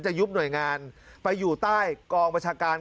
ยุบหน่วยงานไปอยู่ใต้กองประชาการ